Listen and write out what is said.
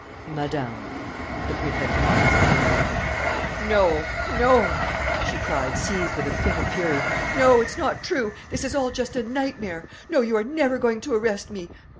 "Madame " the Prefect of Police began. "No, no," she cried, seized with a fit of fury, "no, it's not true.... This is all just a nightmare.... No, you are never going to arrest me?